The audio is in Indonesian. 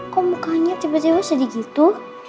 kok mukanya tiba tiba sedih gitu